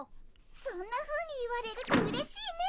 そんなふうに言われるとうれしいね。